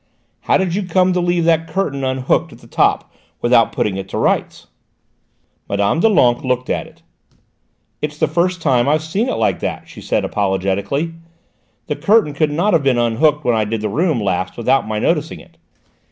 "How did you come to leave that curtain unhooked at the top, without putting it to rights?" Mme. Doulenques looked at it. "It's the first time I've seen it like that," she said apologetically; "the curtain could not have been unhooked when I did the room last without my noticing it.